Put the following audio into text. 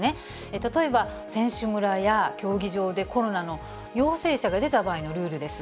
例えば、選手村や競技場でコロナの陽性者が出た場合のルールです。